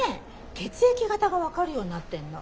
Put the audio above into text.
血液型が分かるようになってんの。